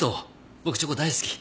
僕チョコ大好き。